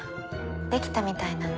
できたみたいなの。